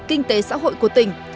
kinh tế xã hội của tỉnh